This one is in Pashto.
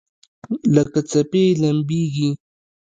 لکه څپې لمبیږي